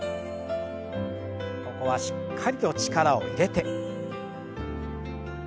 ここはしっかりと力を入れて。